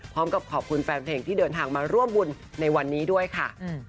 พร้อมกับขอบคุณแฟนเพลงที่เดินทางมาร่วมบุญในวันนี้ด้วยค่ะ